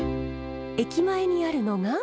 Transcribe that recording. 駅前にあるのが。